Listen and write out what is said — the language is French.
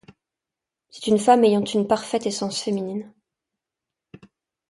C’est une femme ayant une parfaite essence féminine.